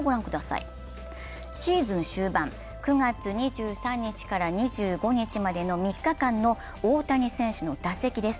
シーズン終盤、９月２３日から２５日までの３日間の大谷選手の打席です。